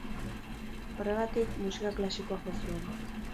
Horregatik, musika klasikoa jo zuen.